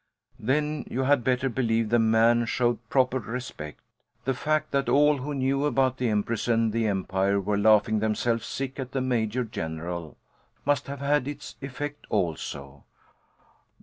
Then you had better believe the man showed proper respect! The fact that all who knew about the Empress and the Empire were laughing themselves sick at the Major General must have had its effect, also.